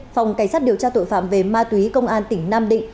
phòng cảnh sát điều tra tội phạm về ma túy công an tỉnh nam định